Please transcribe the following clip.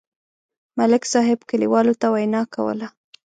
ملک صاحب کلیوالو ته وینا کوله.